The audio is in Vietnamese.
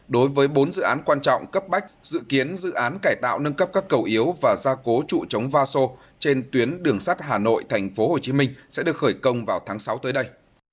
đối với bốn dự án quan trọng cấp bách dự kiến dự án cải tạo nâng cấp các cầu yếu và gia cố trụ chống va sô trên tuyến đường sắt hà nội tp hcm sẽ được khởi công vào tháng sáu tới đây